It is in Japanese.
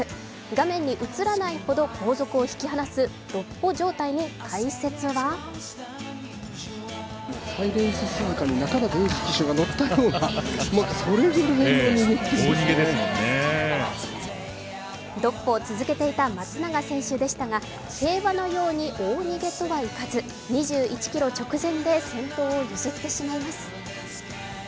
画面に映らないほど後続を引き離す独歩状態に解説は独歩を続けていた松永選手ですが競馬のように大逃げとはいかず２１ｋｍ直前で先頭を譲ってしまいます。